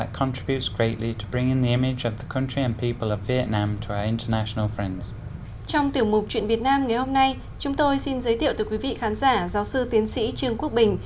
trong tiểu mục chuyện việt nam ngày hôm nay chúng tôi xin giới thiệu tới quý vị khán giả giáo sư tiến sĩ trương quốc bình